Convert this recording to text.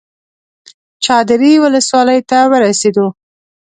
چادرې ولسوالۍ ته ورسېدو.